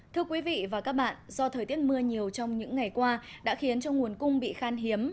thưa quý vị và các bạn do thời tiết mưa nhiều trong những ngày qua đã khiến cho nguồn cung bị khan hiếm